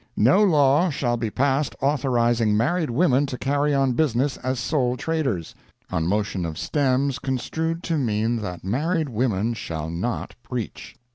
No law shall be passed authorizing married women to carry on business as sole traders." On motion of Stems, construed to mean that married women shall not preach.